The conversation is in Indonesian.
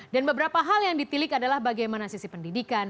dan beberapa hal yang ditilik adalah bagaimana sisi pendidikan